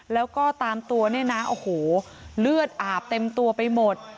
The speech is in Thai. แล้วก็ตามตัวเนี่ยนะโอ้โหเลือดอาบเต็มตัวไปหมด